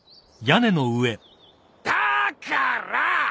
だから！